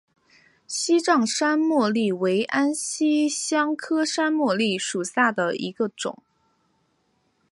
西藏山茉莉为安息香科山茉莉属下的一个种。